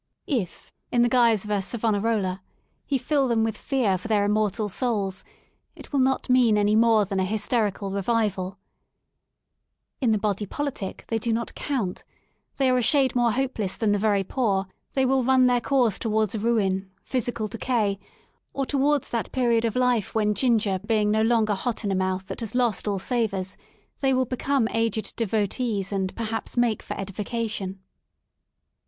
If, in the guise of a Savonarola, he fill them with fear for their immortal souls, it will not mean any more than a hysterical revivaL In the body politic they do not '* count,'* they are a shade more hopeless than the very poor, they will run their course towards ruin, physical decay, or towards that period of life when 117 i ' THE SOUL OF LONDON ginger being no longer hot in a mouth that has lost all savours, they will become aged devotees and perhaps make for edification.